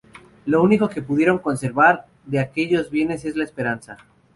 Lo único que pudieron conservar de aquellos bienes es la esperanza.